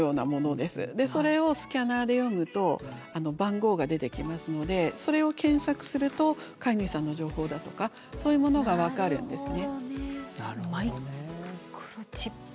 でそれをスキャナーで読むと番号が出てきますのでそれを検索すると飼い主さんの情報だとかそういうものが分かるんですね。